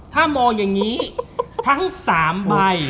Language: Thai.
ถ้ามองอย่างนี้ทั้ง๓ใบ